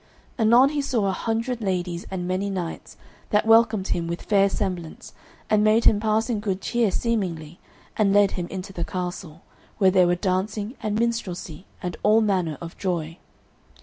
Anon he saw a hundred ladies and many knights, that welcomed him with fair semblance, and made him passing good cheer seemingly, and led him into the castle, where there were dancing and minstrelsy, and all manner of joy.